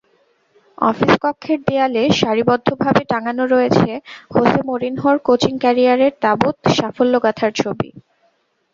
Office কক্ষের দেয়ালে সারিবদ্ধভাবে টাঙানো রয়েছে হোসে মরিনহোর কোচিং ক্যারিয়ারের তাবত্ সাফল্যগাথার ছবি।